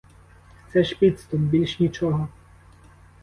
Це ж підступ, більш нічого.